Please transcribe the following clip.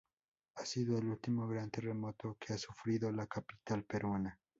Ha sido el último gran terremoto que ha sufrido la capital peruana.